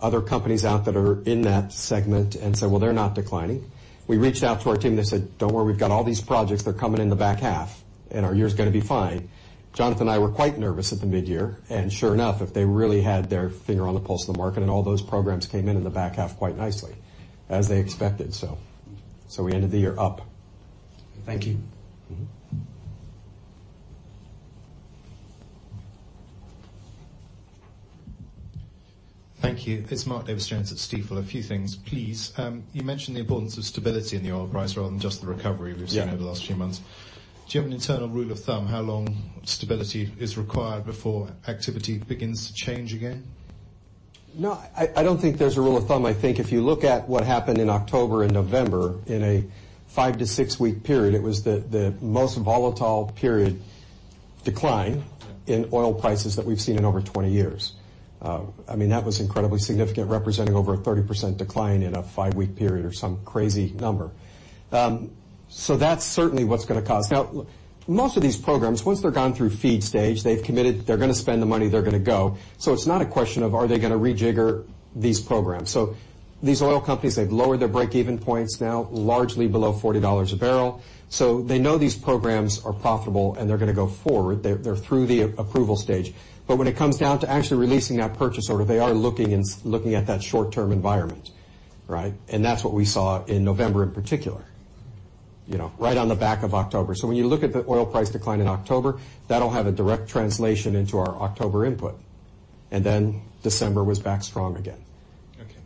other companies out that are in that segment and say, "Well, they're not declining." We reached out to our team, they said, "Don't worry, we've got all these projects. They're coming in the back half, and our year's going to be fine." Jonathan and I were quite nervous at the mid-year, and sure enough, if they really had their finger on the pulse of the market, and all those programs came in in the back half quite nicely, as they expected. We ended the year up.
Thank you.
Thank you. It's Mark Davies Jones at Stifel. A few things, please. You mentioned the importance of stability in the oil price rather than just the recovery we've seen.
Yeah
over the last few months. Do you have an internal rule of thumb how long stability is required before activity begins to change again?
No, I don't think there's a rule of thumb. I think if you look at what happened in October and November, in a 5 to 6-week period, it was the most volatile period decline in oil prices that we've seen in over 20 years. That was incredibly significant, representing over a 30% decline in a five-week period or some crazy number. That's certainly what's going to cause. Now, most of these programs, once they've gone through FEED stage, they've committed, they're going to spend the money, they're going to go. It's not a question of are they going to rejigger these programs. These oil companies, they've lowered their break-even points now, largely below $40 a barrel. They know these programs are profitable, and they're going to go forward. They're through the approval stage. When it comes down to actually releasing that purchase order, they are looking at that short-term environment. Right. That's what we saw in November, in particular, right on the back of October. When you look at the oil price decline in October, that'll have a direct translation into our October input. December was back strong again.
Okay.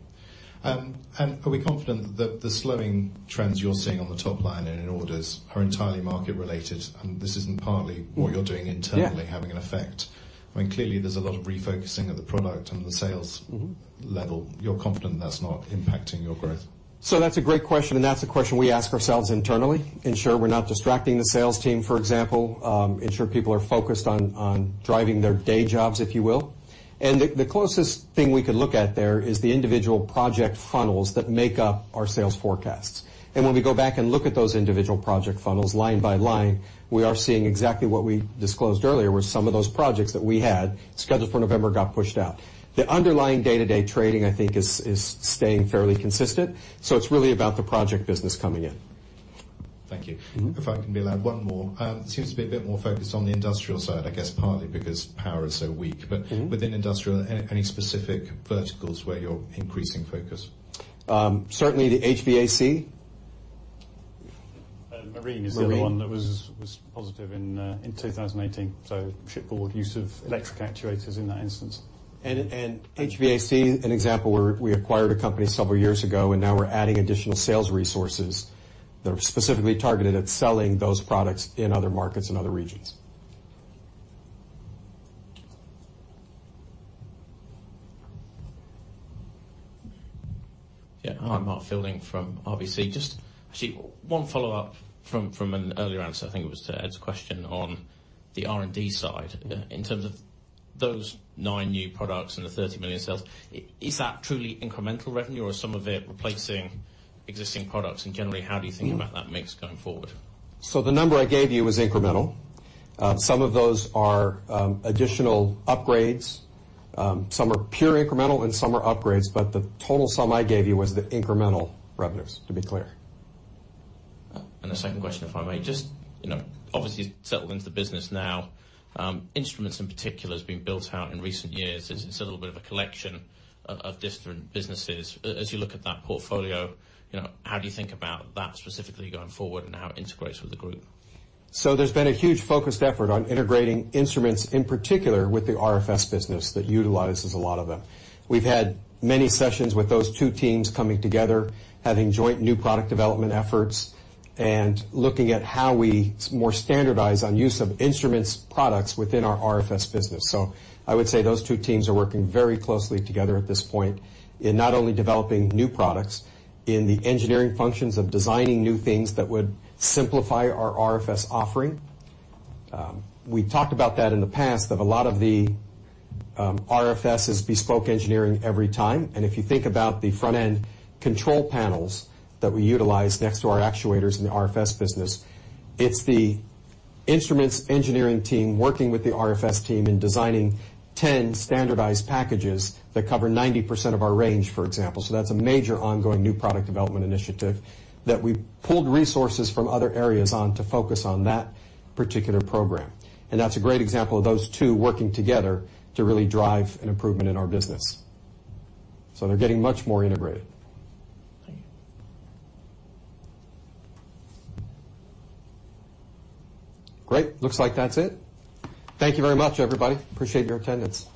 Are we confident that the slowing trends you're seeing on the top line and in orders are entirely market related, and this isn't partly what you're doing internally?
Yeah
having an effect? Clearly there's a lot of refocusing of the product on the. level. You're confident that's not impacting your growth?
That's a great question, and that's a question we ask ourselves internally. Ensure we're not distracting the sales team, for example, ensure people are focused on driving their day jobs, if you will. The closest thing we could look at there is the individual project funnels that make up our sales forecasts. When we go back and look at those individual project funnels line by line, we are seeing exactly what we disclosed earlier, where some of those projects that we had scheduled for November got pushed out. The underlying day-to-day trading, I think is staying fairly consistent. It's really about the project business coming in.
Thank you. If I can be allowed one more. It seems to be a bit more focused on the industrial side, I guess, partly because power is so weak. Within industrial, any specific verticals where you're increasing focus?
Certainly the HVAC.
Marine is the other one.
Marine
that was positive in 2018. Shipboard use of electric actuators in that instance.
HVAC, an example where we acquired a company several years ago, and now we're adding additional sales resources that are specifically targeted at selling those products in other markets and other regions.
Yeah. Hi, Mark Fielding from RBC. Just actually one follow-up from an earlier answer, I think it was to Ed's question on the R&D side. In terms of those nine new products and the 30 million sales, is that truly incremental revenue or is some of it replacing existing products? Generally, how do you think about that mix going forward?
The number I gave you was incremental. Some of those are additional upgrades. Some are pure incremental and some are upgrades, but the total sum I gave you was the incremental revenues, to be clear.
A second question, if I may. Just obviously you've settled into the business now. Instruments in particular has been built out in recent years. It's a little bit of a collection of different businesses. As you look at that portfolio, how do you think about that specifically going forward and how it integrates with the group?
There's been a huge focused effort on integrating Instruments, in particular with the RFS business that utilizes a lot of them. We've had many sessions with those two teams coming together, having joint new product development efforts, and looking at how we more standardize on use of Instruments products within our RFS business. I would say those two teams are working very closely together at this point in not only developing new products in the engineering functions of designing new things that would simplify our RFS offering. We've talked about that in the past, that a lot of the RFS is bespoke engineering every time. If you think about the front-end control panels that we utilize next to our actuators in the RFS business, it's the Instruments engineering team working with the RFS team in designing 10 standardized packages that cover 90% of our range, for example. That's a major ongoing new product development initiative that we pulled resources from other areas on to focus on that particular program. That's a great example of those two working together to really drive an improvement in our business. They're getting much more integrated.
Thank you.
Great. Looks like that's it. Thank you very much, everybody. Appreciate your attendance.